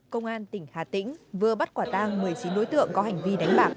công an tỉnh hà tĩnh vừa bắt quả tang một mươi chín đối tượng có hành vi đánh bạc